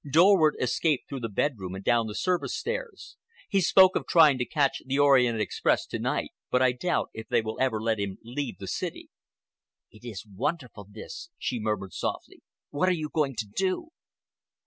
Dorward escaped through the bedroom and down the service stairs. He spoke of trying to catch the Orient Express to night, but I doubt if they will ever let him leave the city." "It is wonderful, this," she murmured softly. "What are you going to do?"